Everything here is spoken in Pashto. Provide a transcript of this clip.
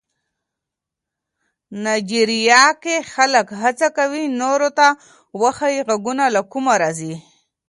نایجیریا کې خلک هڅه کوي نورو ته وښيي غږونه له کومه راځي.